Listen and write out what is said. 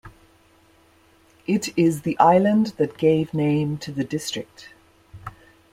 It is the island that gave name to the district.